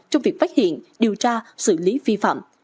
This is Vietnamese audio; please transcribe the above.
trong việc phát hiện điều tra xử lý vi phạm